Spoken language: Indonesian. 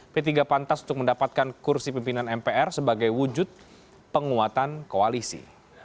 p tiga pantas untuk mendapatkan kursi pimpinan mpr sebagai wujud penguatan koalisi